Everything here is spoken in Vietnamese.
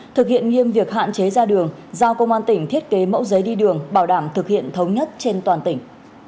thực hiện nghiêm việc hạn chế ra đường giao công an tỉnh thiết kế mẫu giấy đi đường bảo đảm thực hiện thống nhất trên toàn tỉnh